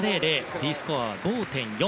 Ｄスコアは５．４。